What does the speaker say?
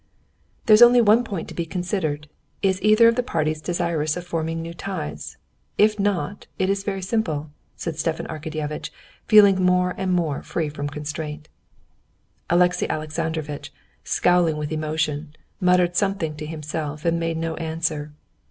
"There's only one point to be considered: is either of the parties desirous of forming new ties? If not, it is very simple," said Stepan Arkadyevitch, feeling more and more free from constraint. Alexey Alexandrovitch, scowling with emotion, muttered something to himself, and made no answer.